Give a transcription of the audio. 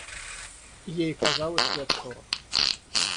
Ей казалось лет сорок.